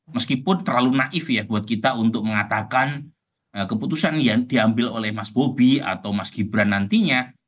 meskipun terlalu naif ya buat kita untuk mengatakan keputusan yang diambil oleh mas bobi atau mas gibran nantinya